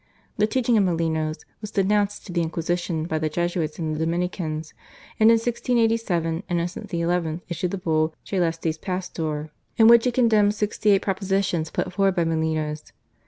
The teaching of Molinos was denounced to the Inquisition by the Jesuits and the Dominicans, and in 1687 Innocent XI. issued the Bull /Coelestis Pastor/, in which he condemned sixty eight propositions put forward by Molinos.